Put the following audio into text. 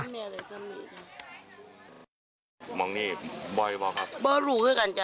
ช่วงหัวค่ำแม่น้องถึงรับไม่ได้ว่าลูกจะจมน้ำสีชีวิตอยู่แล้วมาจมน้ำค่ะ